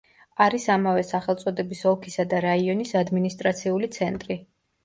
არის ამავე სახელწოდების ოლქისა და რაიონის ადმინისტრაციული ცენტრი.